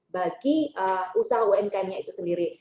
bagi usaha umkm nya itu sendiri